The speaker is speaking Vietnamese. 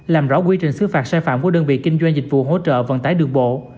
làm rõ quy trình xứ phạt sai phạm của đơn vị kinh doanh dịch vụ hỗ trợ vận tải đường bộ